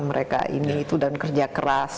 mereka ini itu dan kerja keras